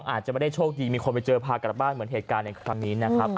อาจจะไม่ได้โชคดีมีคนไปเจอพากลับบ้านเหมือนเหตุการณ์ในครั้งนี้นะครับ